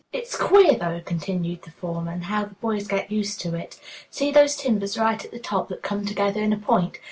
'"] "It's queer, though," continued the foreman, "how the boys get used to it. See those timbers right at the top that come together in a point?